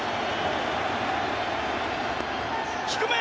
低め。